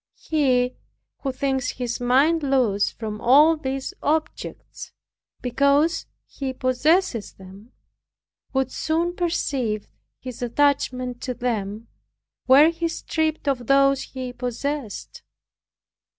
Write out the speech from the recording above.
He who thinks his mind loose from all these objects, because he possesses them, would soon perceive his attachment to them, were he stripped of those he possessed.